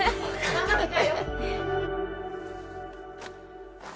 頑張って。